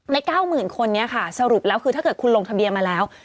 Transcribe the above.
๙๐๐๐คนนี้ค่ะสรุปแล้วคือถ้าเกิดคุณลงทะเบียนมาแล้ว